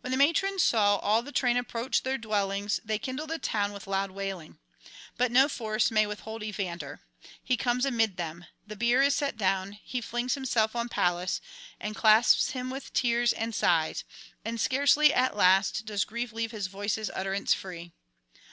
When the matrons saw all the train approach their dwellings they kindle the town with loud wailing. But no force may withhold Evander; he comes amid them; the bier is set down; he flings himself on Pallas, and clasps him with tears and sighs, and scarcely at last does grief leave his voice's utterance free.